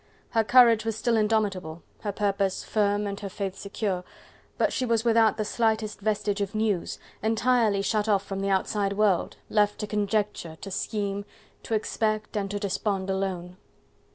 Her courage was still indomitable, her purpose firm and her faith secure, but she was without the slightest vestige of news, entirely shut off from the outside world, left to conjecture, to scheme, to expect and to despond alone.